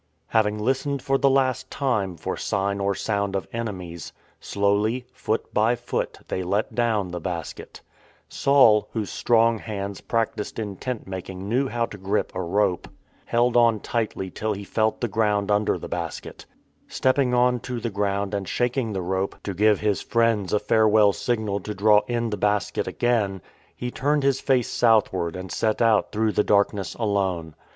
Having listened for the last time for sign or sound of enemies, slowly, foot by foot they let down the basket. Saul, whose strong hands practised in tent making knew how to grip a rope, held on tightly till he felt the ground under the basket. Stepping on to the ground and shaking the rope to give his PAULS ESCAPE FROM DAMASCUS " Foot by foot they let down the basket." THE TWO ESCAPES 93 friends a farewell signal to draw in the basket again, he turned his face southward and set out through the darkness alone.